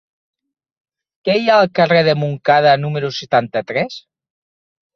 Què hi ha al carrer de Montcada número setanta-tres?